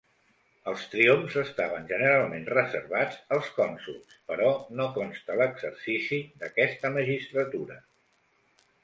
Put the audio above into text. Els triomfs estaven generalment reservats als cònsols, però no consta l'exercici d'aquesta magistratura.